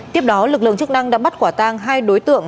tiếp đó lực lượng chức năng đã bắt quả tang hai đối tượng